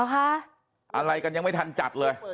วันแรกแล้วนะอรัชพรอะไรกันยังไม่ทันจัดเลย